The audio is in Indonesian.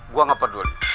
gue gak peduli